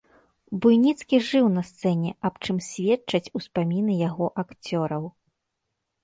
Буйніцкі жыў на сцэне, аб чым сведчаць успаміны яго акцёраў.